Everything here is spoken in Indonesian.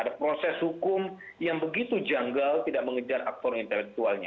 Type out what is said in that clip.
ada proses hukum yang begitu janggal tidak mengejar aktor intelektualnya